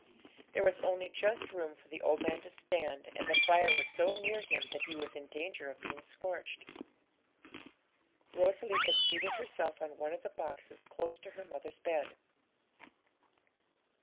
There was only just room for the old man to stand, and the fire was so near him that he was in danger of being scorched. Rosalie had seated herself on one of the boxes close to her mother's bed.